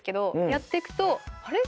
やっていくとあれ？